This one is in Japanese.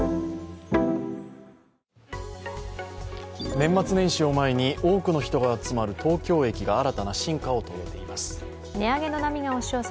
年末年始を前に多くの人が集まる東京駅が新たな進化を遂げています。